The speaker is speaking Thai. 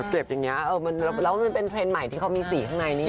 เก็บอย่างนี้แล้วมันเป็นเทรนด์ใหม่ที่เขามีสีข้างในนี่